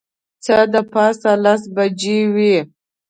څه د پاسه لس بجې وې.